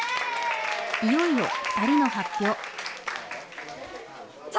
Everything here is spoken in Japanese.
いよいよ２人の発表。